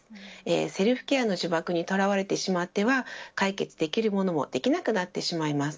セルフケアの呪縛にとらわれてしまっては解決できるものもできなくなってしまいます。